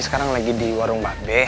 sekarang lagi di warung mbak be